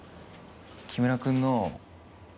木村君の。